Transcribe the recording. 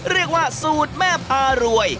เรียกว่าสูตรแม่พารวย